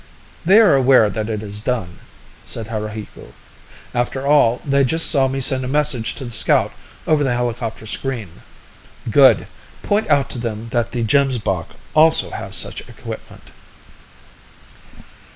"They are aware that it is done," said Haruhiku. "After all, they just saw me send a message to the scout over the helicopter screen." "Good! Point out to them that the Gemsbok also has such equipment."